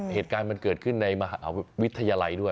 เหตุการณ์มันเกิดขึ้นในมหาวิทยาลัยด้วย